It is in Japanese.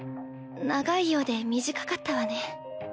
長いようで短かったわね。